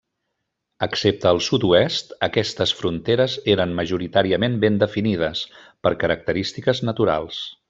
Excepte al sud-oest, aquestes fronteres eren majoritàriament ben definides per característiques naturals.